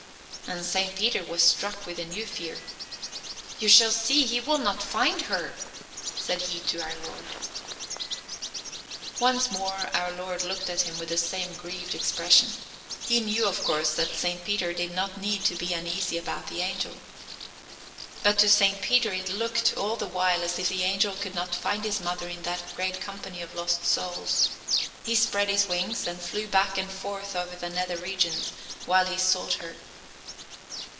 And Saint Peter was struck with a new fear. "You shall see that he will not find her," said he to our Lord. Once more our Lord looked at him with the same grieved expression. He knew of course that Saint Peter did not need to be uneasy about the angel. But to Saint Peter it looked all the while as if the angel could not find his mother in that great company of lost souls. He spread his wings and flew back and forth over the nether regions, while he sought her.